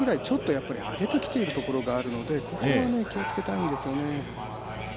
ちょっと上げてきているところがあるのでここは気をつけたいんですよね。